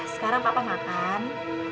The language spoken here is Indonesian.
sekarang papa makan